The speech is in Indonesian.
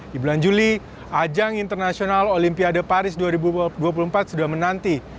di bulan juli ajang internasional olimpiade paris dua ribu dua puluh empat sudah menanti